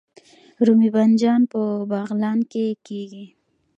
رومي بانجان په بغلان کې کیږي